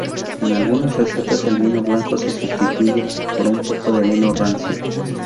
En algunas recetas el vino blanco se sustituye por un poco de vino rancio.